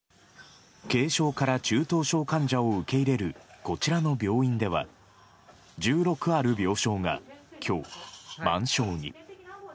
軽症から中等症患者を受け入れるこちらの病院では、１６ある病床が、きょう、満床に。